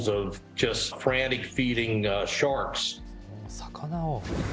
魚を。